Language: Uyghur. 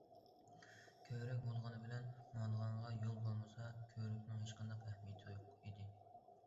كۆۋرۈك بولغىنى بىلەن ماڭىدىغانغا يول بولمىسا، كۆۋرۈكنىڭ ھېچقانداق ئەھمىيىتى يوق ئىدى.